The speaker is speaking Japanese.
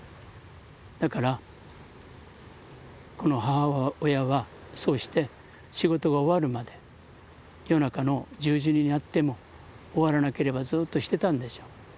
だからこの母親はそうして仕事が終わるまで夜中の１０時になっても終わらなければずっとしてたんでしょう。